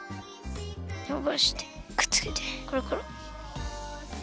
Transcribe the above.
のばしてくっつけてころころ。